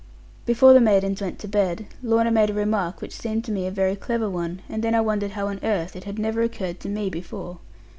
Before the maidens went to bed, Lorna made a remark which seemed to me a very clever one, and then I wondered how on earth it had never occurred to me before.